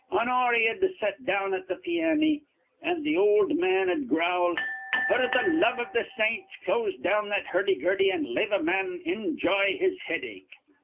Honoria'd set down at th' pianny, an' th' ol' man'd growl: 'F'r th' love iv th' saints, close down that hurdy gurdy, an' lave a man injye his headache!'